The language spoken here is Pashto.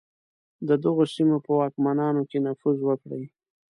د دغو سیمو په واکمنانو کې نفوذ وکړي.